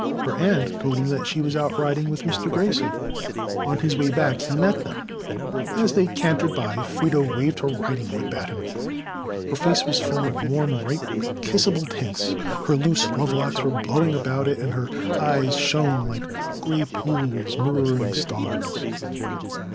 Her aunt told him that she was out riding with Mr. Grayson. On his way back he met them. As they cantered by, Freda waved her riding whip at him. Her face was full of warm, ripe, kissable tints, her loose lovelocks were blowing about it, and her eyes shone like grey pools mirroring stars.